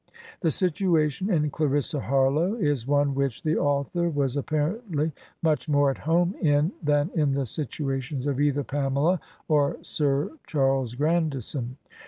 The situation in "Clarissa Harlowe" is one which the author was apparently much more at home in than in the situations of either "Pamela" or "Sir Charles Grandison.''